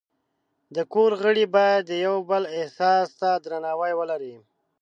د کور غړي باید د یو بل احساس ته درناوی ولري.